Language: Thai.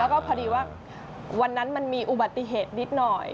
แล้วก็พอดีว่าวันนั้นมันมีอุบัติเหตุนิดหน่อย